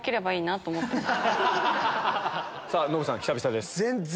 ノブさん久々です。